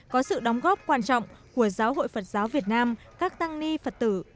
có sự đóng góp quan trọng của giáo hội phật giáo việt nam các tăng ni phật tử